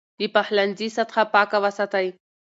د پخلنځي سطحه پاکه وساتئ.